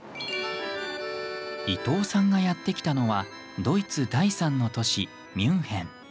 伊藤さんがやって来たのはドイツ第三の都市、ミュンヘン。